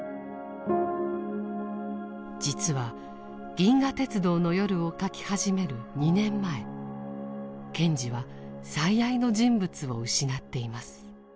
実は「銀河鉄道の夜」を書き始める２年前賢治は最愛の人物を失っています。